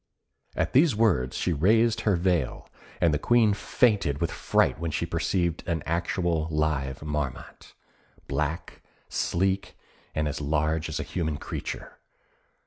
At these words she raised her veil, and the Queen fainted with fright when she perceived an actual live Marmot black, sleek, and as large as a human creature.